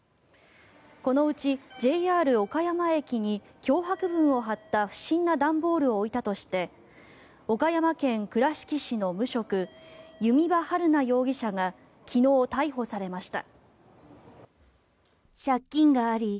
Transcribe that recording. このうちＪＲ岡山駅に脅迫文を貼った不審な段ボールを置いたとして岡山県倉敷市の無職弓場晴菜容疑者が昨日、逮捕されました。